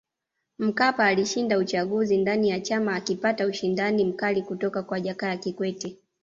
Mkapa alishinda uchaguzi ndani ya chama akipata ushindani mkali kutoka kwa Jakaya Kikwete